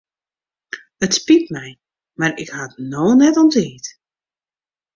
It spyt my mar ik ha it no net oan tiid.